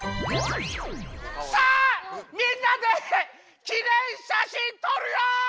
さあみんなで記念しゃしんとるよ！